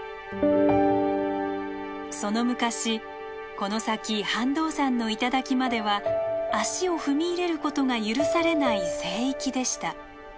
その昔この先飯道山の頂までは足を踏み入れることが許されない聖域でした。